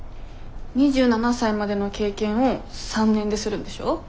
２７歳までの経験を３年でするんでしょ？